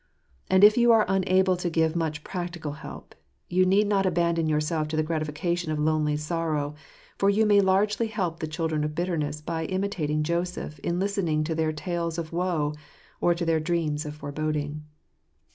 And if you are unable to give much practical help, you need not abandon yourself to t e gratification of lonely sorrow, for you may largely help the children of bitterness by imitating Joseph m listening to their tales of woe or to their dreams of foreboding.